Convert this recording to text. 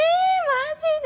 マジで？